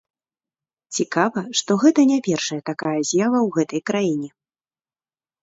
Цікава, што гэта не першая такая з'ява ў гэтай краіне.